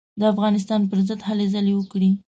د افغانستان پر ضد هلې ځلې وکړې.